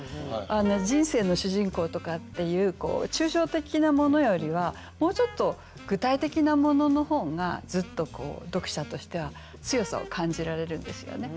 人生の主人公とかっていう抽象的なものよりはもうちょっと具体的なものの方がずっとこう読者としては強さを感じられるんですよね。